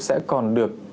sẽ còn được